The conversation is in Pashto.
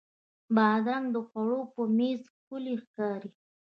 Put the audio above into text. بادرنګ د خوړو په میز ښکلی ښکاري.